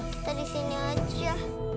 kita disini aja